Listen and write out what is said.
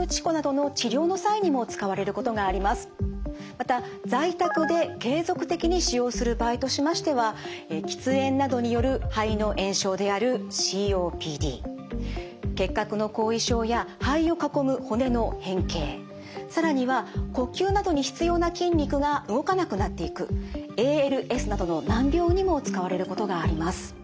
また在宅で継続的に使用する場合としましては喫煙などによる肺の炎症であるＣＯＰＤ結核の後遺症や肺を囲む骨の変形更には呼吸などに必要な筋肉が動かなくなっていくＡＬＳなどの難病にも使われることがあります。